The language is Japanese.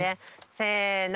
せの。